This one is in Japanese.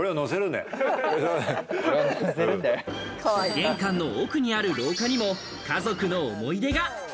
玄関の奥にある廊下にも家族の思い出が。